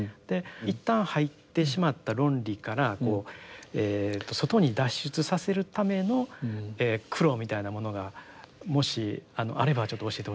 一旦入ってしまった論理からこう外に脱出させるための苦労みたいなものがもしあればちょっと教えてほしいんですけど。